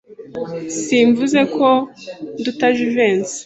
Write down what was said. Simvuze ko nduta Jivency.